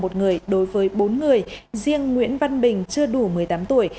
một người đối với bốn người riêng nguyễn văn bình chưa đủ một mươi tám tuổi